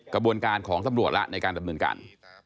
กระบวนการของตำรวจแล้วในการดำเนินการ